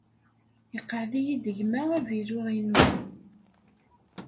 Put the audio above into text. Iqeɛɛed-iyi-d gma avilu-inu.